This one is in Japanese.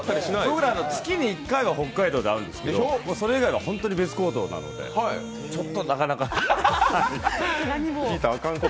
僕ら月に１回は北海道で会うんですけどそれ以外は本当に別行動なんで、ちょっとなかなか会えないんで。